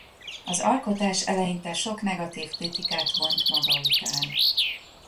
Az alkotás eleinte sok negatív kritikát vont maga után.